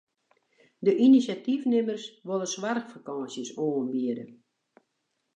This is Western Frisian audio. De inisjatyfnimmers wolle soarchfakânsjes oanbiede.